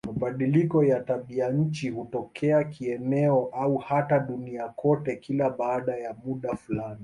Mabadiliko ya tabianchi hutokea kieneo au hata duniani kote kila baada ya muda fulani.